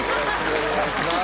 お願いします。